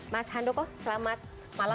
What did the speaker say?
mas hando kogani selamat malam